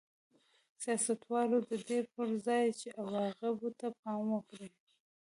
سیاستوالو د دې پر ځای چې عواقبو ته پام وکړي